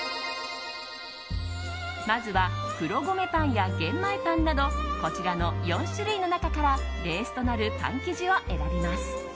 まずは、黒米パンや玄米パンなどこちらの４種類の中からベースとなるパン生地を選びます。